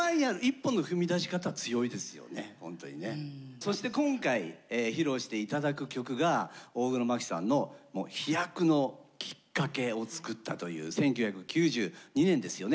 そして今回披露して頂く曲が大黒摩季さんの飛躍のきっかけを作ったという１９９２年ですよね